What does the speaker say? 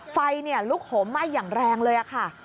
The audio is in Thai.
ไฟลุกโหมไหม้อย่างแรงเลยค่ะ